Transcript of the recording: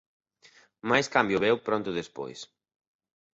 Máis cambio veu pronto despois.